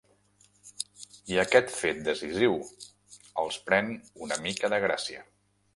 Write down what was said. I aquest fet decisiu els pren una mica de gràcia.